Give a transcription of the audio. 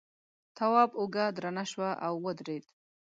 تواب اوږه درنه شوه او ودرېد.